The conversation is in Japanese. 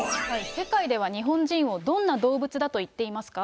世界では日本人をどんな動物だと言ってますか？